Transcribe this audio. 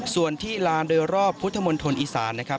ส่วนที่ลานโดยรอบพุทธมณฑลอีสานนะครับ